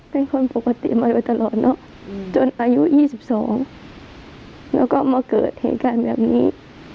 เป็นคนปกติมาโดยตลอดเนอะจนอายุ๒๒แล้วก็มาเกิดเหตุการณ์แบบนี้